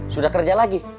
sudah kerja lagi